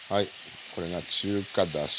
これが中華だし。